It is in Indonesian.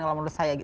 kalau menurut saya